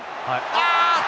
あ！